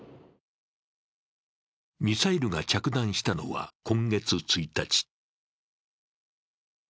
ミサイルが着弾したのは今月１日。